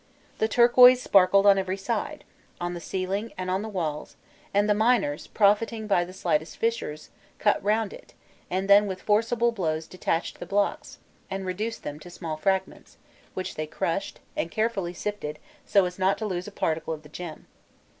The turquoise sparkled on every side on the ceiling and on the walls and the miners, profiting by the slightest fissures, cut round it, and then with forcible blows detached the blocks, and reduced them to small fragments, which they crushed, and carefully sifted so as not to lose a particle of the gem.